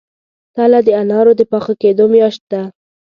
تله د انارو د پاخه کیدو میاشت ده.